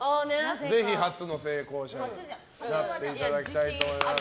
ぜひ、初の成功者になっていただきたいと思います。